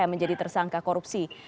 yang menjadi tersangka korupsi